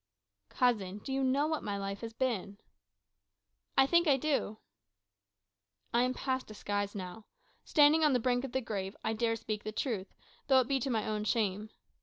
"Cousin, do you know what my life has been?" "I think I do." "I am past disguise now. Standing on the brink of the grave, I dare speak the truth, though it be to my own shame.